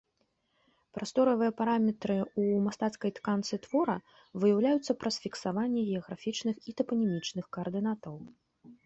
Прасторавыя параметры ў мастацкай тканцы твора выяўляюцца праз фіксаванне геаграфічных і тапанімічных каардынатаў.